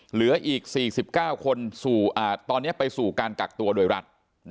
เหลืออีก๔๙คนตอนนี้ไปสู่การกักตัวโดยรัฐ